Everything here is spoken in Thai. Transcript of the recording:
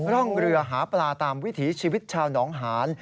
ร่องเรือหาปลาตามวิถีชีวิตชาวหนองหาน